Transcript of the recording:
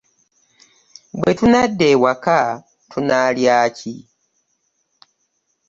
Bwe tunadda ewaka tunaalya ki?